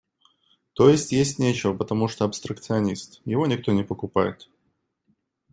То есть, есть нечего, потому что – абстракционист, его никто не покупают.